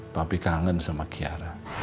tapi kangen sama kiara